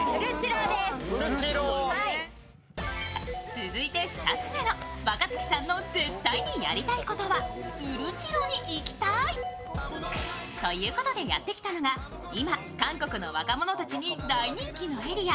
続いて２つ目の若槻さんの絶対にやりたいことはウルチロに行きたい。ということでやって来たのは今、韓国の若者たちに大人気のエリア、